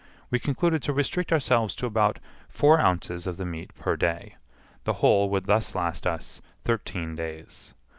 We concluded to restrict ourselves to about four ounces of the meat per day; the whole would thus last us thirteen days.